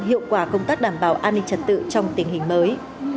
hiệu quả công tác đảm bảo an ninh trật tự trong tình hình mới